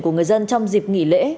của người dân trong dịp nghỉ lễ